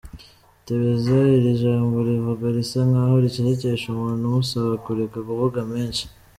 Tebeza: iri jambo rivugwa risa nk’aho ricecekesha umuntu umusaba kureka kuvuga menshi.